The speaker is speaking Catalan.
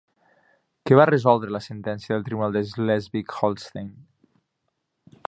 Què va resoldre la sentència del tribunal de Slesvig-Holstein?